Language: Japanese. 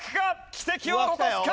奇跡を起こすか？